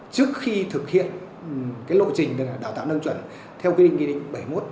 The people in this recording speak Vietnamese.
trước khi thực hiện lộ trình đào tạo nâng chuẩn theo quy định bảy mươi một